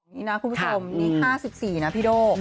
นี่นะคุณผู้ชมนี่๕๔นะพี่โด่